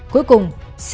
cảm ơn các bạn đã theo dõi